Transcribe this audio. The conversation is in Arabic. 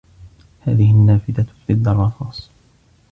هذه النافذة ضد الرصاص.